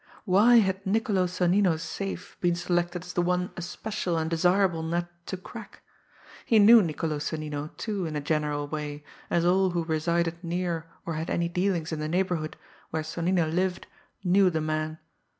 Why had Niccolo Sonnino's safe been selected as the one especial and desirable nut to crack? He knew Niccolo Sonnino, too, in a general way, as all who resided near or had any dealings in the neighbourhood where Sonnino lived, knew the man.